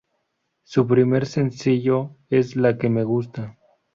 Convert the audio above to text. Su primer sencillo es 'La Que Me Gusta'.